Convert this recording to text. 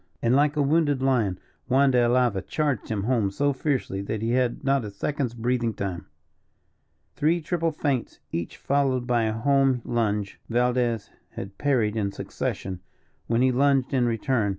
And, like a wounded lion, Juan de Alava charged him home so fiercely that he had not a second's breathing time. Three triple feints, each followed by a home lunge, Valdez had parried in succession, when he lunged in return.